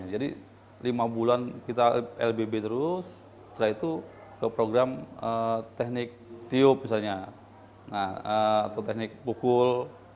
jadi lima bulan kita lbb terus setelah itu ke program teknik tiup misalnya atau teknik pukul